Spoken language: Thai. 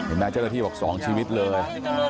เห็นไหมเจ้าหน้าที่สองชีวิตเลย